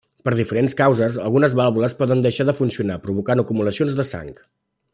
Per diferents causes, algunes vàlvules poden deixar de funcionar, provocant acumulacions de sang.